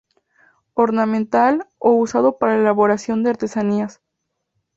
Ornamental, o usado para la elaboración de artesanías.